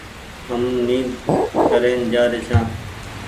هم نيد ڪرين جآري ڇآن ۔